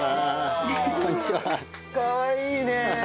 かわいいね！